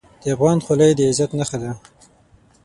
د افغان خولۍ د عزت نښه ده.